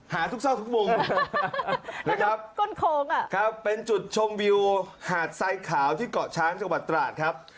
หาทุกซ่อสุกมุงเป็นจุดชมวิวหาดไซค์ขาวที่เกาะช้างจังหวัดตราชครับ